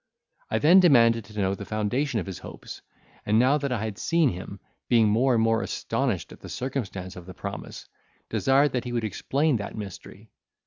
I then demanded to know the foundation of his hopes; and now that I had seen him, being more and more astonished at the circumstance of the promise, desired that he would explain that mystery.